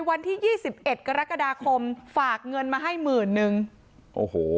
วันที่ยี่สิบเอ็ดกรกฎาคมฝากเงินมาให้หมื่นนึงโอ้โห